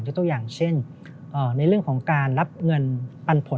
ตัวอย่างเช่นในเรื่องของการรับเงินปันผล